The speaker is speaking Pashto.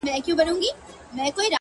وجود پرېږدمه د وخت مخته به نڅا کومه!